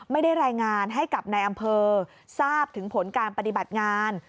ไม่ได้รายงานให้กับนายอำเภอทราบถึงผลการปฏิบัติงาน